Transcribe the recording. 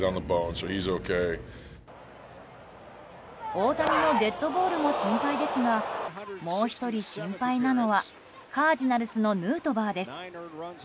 大谷のデッドボールも心配ですがもう１人心配なのがカージナルスのヌートバーです。